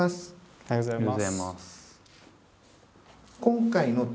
おはようございます。